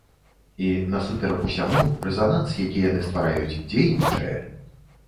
І, насуперак усяму, рэзананс, які яны ствараюць, дзейнічае!